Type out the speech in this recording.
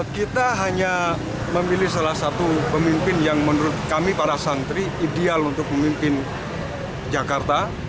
kita hanya memilih salah satu pemimpin yang menurut kami para santri ideal untuk memimpin jakarta